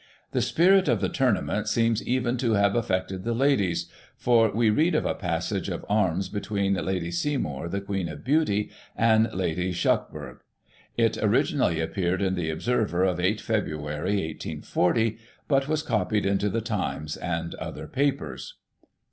The spirit of the Tournament seems even to have affected the ladies, for we read of a passage of arms between Lady Seymour, the Queen of Beauty, and Lady Shuckburgh. It originally appeared in the Observer of 8 Feb., 1840, but was copied into the Times and other papers.